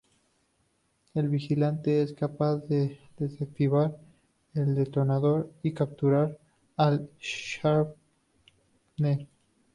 El vigilante es capaz de desactivar el detonador y capturar al "Shrapnel".